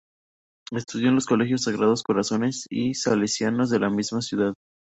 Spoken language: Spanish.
Estudió en los Colegios Sagrados Corazones y Salesianos de la misma ciudad.